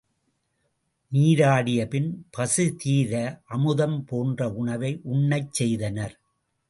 நீராடியபின் பசிதீர அமுதம் போன்ற உணவை உண்ணச் செய்தனர்.